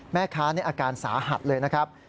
แม่ค้าในอาการสาหัสเลยนะครับ